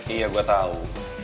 iya gue tau